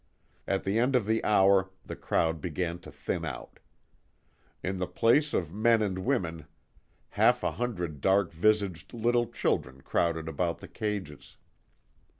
At the end of the hour the crowd began to thin out. In the place of men and women half a hundred dark visaged little children crowded about the cages.